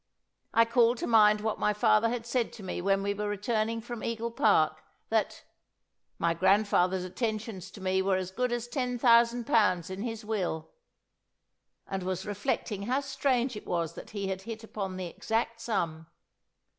I called to mind what my father had said to me when we were returning from Eagle Park, that "my grandfather's attentions to me were as good as ten thousand pounds in his will," and was reflecting how strange it was that he had hit upon the exact sum.